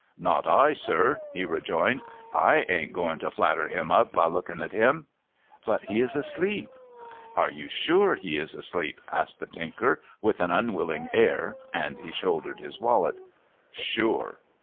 ' Not I, sir,' he rejoined, '/ain't a going to flatter him up by looking at him !'' But he is asleep.* ' Are you sure he is asleep ?' asked the Tinker, with an unwilling air, as he shouldered his wallet. ' Sure.'